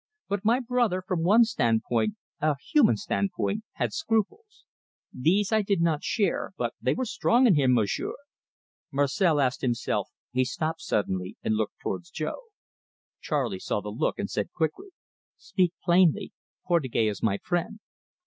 But my brother, from one stand point a human stand point had scruples. These I did not share, but they were strong in him, Monsieur. Marcel asked himself " He stopped suddenly and looked towards Jo. Charley saw the look, and said quickly: "Speak plainly. Portugais is my friend."